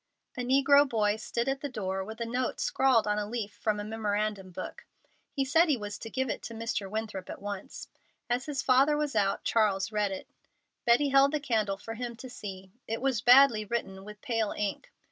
A negro boy stood at the door with a note scrawled on a leaf from a memorandum book. He said he was to give it to Mr. Winthrop at once. As his father was out, Charles read it. Betty held the candle for him to see. It was badly written, with pale ink.